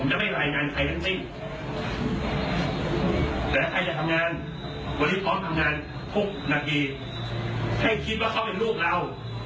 ให้คิดว่าเขาเป็นลูกเรา